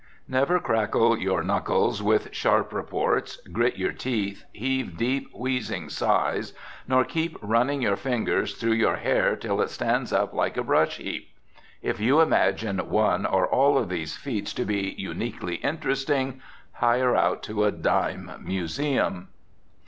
Never crackle your knuckles with sharp reports, grit your teeth, heave deep, wheezing sighs, nor keep running your fingers through your hair till it stands up like a brush heap. If you imagine one or all of these feats to be uniquely interesting, hire out to a dime museum.